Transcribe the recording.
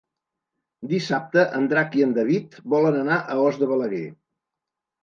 Dissabte en Drac i en David volen anar a Os de Balaguer.